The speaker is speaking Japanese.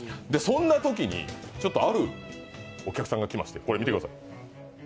そんなときに、ちょっとあるお客さんが来ましてこれ、見てください。